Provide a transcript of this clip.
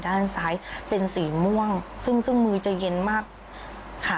ด้านซ้ายเป็นสีม่วงซึ่งมือจะเย็นมากค่ะ